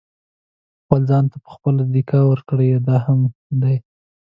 خپل ځان ته په خپله دېکه ورکړئ دا مهم دی.